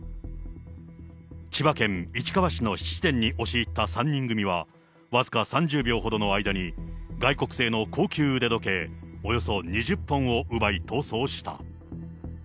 千葉県市川市の質店に押し入った３人組は、僅か３０秒ほどの間に、外国製の高級腕時計およそ２０本を奪い逃走した。